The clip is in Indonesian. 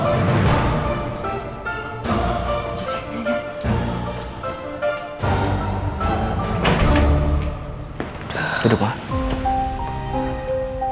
lo gak bisa sembarangan nunggu gue